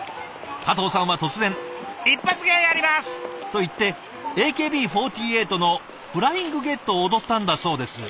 加藤さんは突然「一発芸やります！」と言ってＡＫＢ４８の「フライングゲット」を踊ったんだそうです。